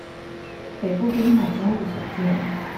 北部濱海公路所見